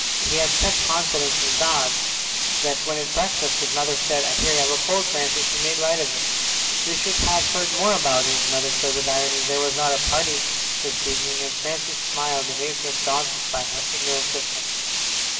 He had such confidence in God that when at breakfast his mother said, "I hear you have a cold, Francis," he made light of it. "We should have heard more about it," his mother said with irony, "if there was not a party this evening," and Francis smiled, amazed and daunted by her ignorance of him.